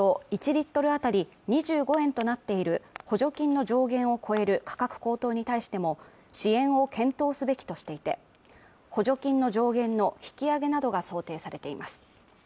１リットル当たり２５円となっている補助金の上限を超える価格高騰に対しても支援を検討すべきとしていて補助金の上限の引き上げなどが想定されています